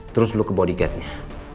terus lu ke bodyguardnya